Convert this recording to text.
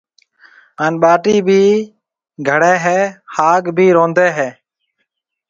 هانَ ٻاٽيَ ڀِي گڙيَ هيَ۔ هاگ ڀِي روندهيََ هيَ۔